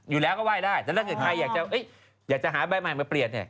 อยู่แล้วก็ไห้ได้แต่ถ้าเกิดใครอยากจะอยากจะหาใบใหม่มาเปลี่ยนเนี่ย